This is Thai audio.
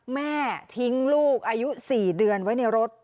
แม่ทิ้งลูกอายุ๔เดือนไว้ในรถ